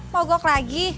mau gok lagi